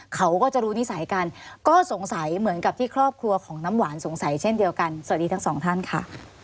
เขาก็จะรู้นิสัยกันก็สงสัยเหมือนกับที่ครอบครัวของน้ำหวานสงสัยเช่นเดียวกันสวัสดีทั้งสองท่านค่ะ